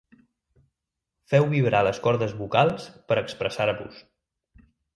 Feu vibrar les cordes vocals per expressar-vos.